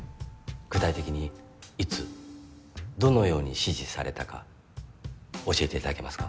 具体的にいつどのように指示されたか教えていただけますか？